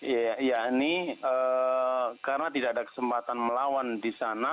ya ini karena tidak ada kesempatan melawan di sana